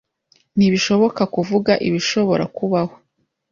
Ntibishoboka kuvuga ibishobora kubaho.